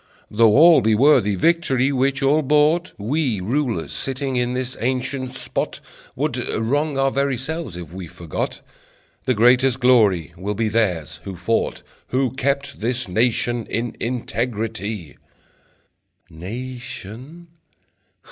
Though all be worthy Victory which all bought, We rulers sitting in this ancient spot Would wrong our very selves if we forgot The greatest glory will be theirs who fought, Who kept this nation in integrity." Nation?